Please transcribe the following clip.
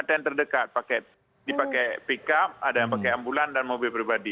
ada yang terdekat dipakai pickup ada yang pakai ambulan dan mobil pribadi